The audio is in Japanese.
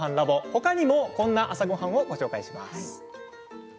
ほかにもこんな朝ごはんを紹介します。